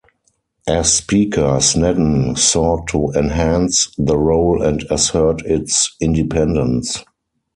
As Speaker, Snedden sought to enhance the role and assert its independence.